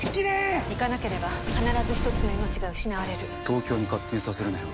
行かなければ必ず１つの命が失われる東京に勝手にさせるなよ・